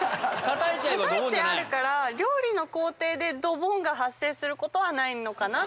たたいてあるから料理の工程でドボンが発生することはないのかな。